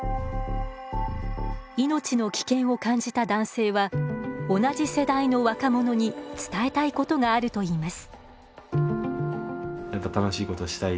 命の危険を感じた男性は同じ世代の若者に伝えたいことがあると言います。